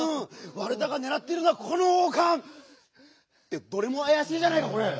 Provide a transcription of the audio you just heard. ワルダがねらっているのはこの王かん！ってどれもあやしいじゃないかこれ。